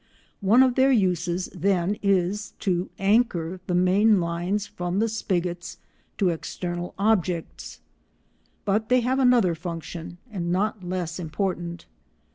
One of their uses, then, is to anchor the main lines from the spigots to external objects, but they have another function not less important.